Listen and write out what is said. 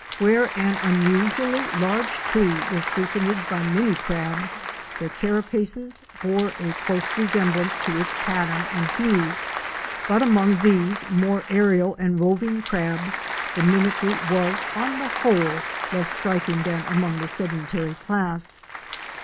Where an unusually large tree was frequented by many crabs, their carapaces bore a close Fic. 8. Our Froatinc Home at LA Cerra. resemblance to its pattern and hue, but among these more aérial and roving crabs the mimicry was, on the whole, less striking than among the sedentary class.